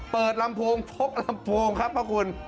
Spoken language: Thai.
ลำโพงพกลำโพงครับพระคุณ